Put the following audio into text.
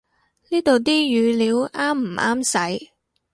呢度啲語料啱唔啱使